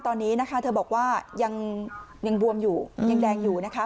ตอนนี้นะคะเธอบอกว่ายังบวมอยู่ยังแดงอยู่นะคะ